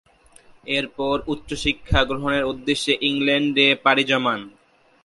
এরপর, উচ্চশিক্ষা গ্রহণের উদ্দেশ্যে ইংল্যান্ডে পাড়ি জমান।